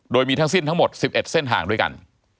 โดยมีทั้งสิ้นทั้งหมด๑๑เส้นทางด้วยกัน